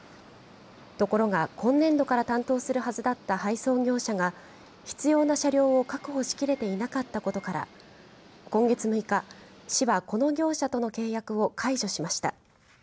ところが、今年度から担当するはずだった配送業者が必要な車両を確保しきれていなかったことから今月６日、市はこの業者との契約を解除しました。